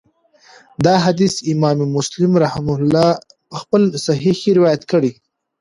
دا حديث امام مسلم رحمه الله په خپل صحيح کي روايت کړی